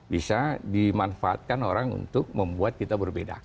bisa dimanfaatkan orang untuk membuat kita berbeda